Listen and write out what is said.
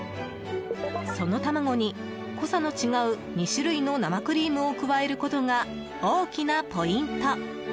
その卵に、濃さの違う２種類の生クリームを加えることが大きなポイント。